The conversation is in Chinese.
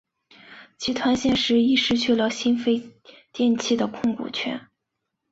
集团现时亦失去新飞电器的控股权。